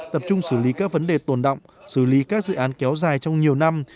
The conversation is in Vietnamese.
tập trung xử lý các vấn đề tồn động xử lý các dự án kéo dài trong nhiều năm